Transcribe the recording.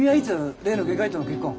例の外科医との結婚。